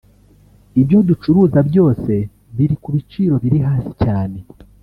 ibyo ducuruza byose biri ku biciro biri hasi cyane